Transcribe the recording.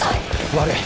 悪い。